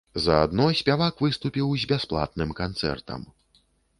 Заадно спявак выступіў з бясплатным канцэртам.